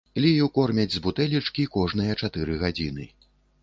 Лію кормяць з бутэлечкі кожныя чатыры гадзіны.